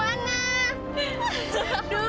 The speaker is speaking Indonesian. aduh aduh aduh